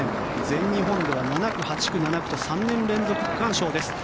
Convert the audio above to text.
全日本では７区、８区、７区と３年連続区間賞です。